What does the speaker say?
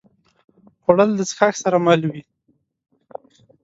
خوړل د څښاک سره مل وي